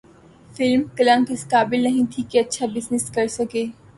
film Kalank اس قابل نہیں تھی کہ اچھا بزنس کرسکے